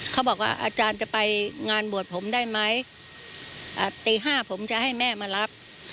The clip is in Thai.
เขาบอกว่าอาจารย์จะไปงานบวชผมได้ไหมตีห้าผมจะให้แม่มารับ